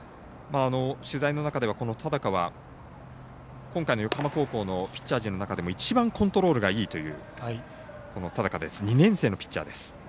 取材の中ではこの田高は今回の横浜高校のピッチャー陣の中でも一番コントロールがいいという田高２年生のピッチャーです。